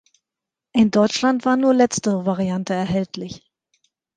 In Deutschland war nur letztere Variante erhältlich.